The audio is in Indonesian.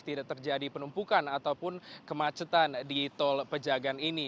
tidak terjadi penumpukan ataupun kemacetan di tol pejagaan ini